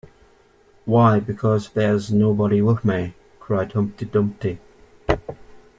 ‘Why, because there’s nobody with me!’ cried Humpty Dumpty.